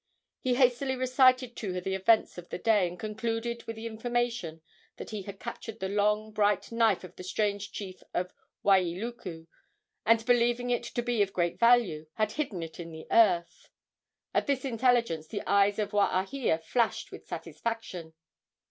He hastily recited to her the events of the day, and concluded with the information that he had captured the long, bright knife of the strange chief of Wailuku, and, believing it to be of great value, had hidden it in the earth. At this intelligence the eyes of Waahia flashed with satisfaction.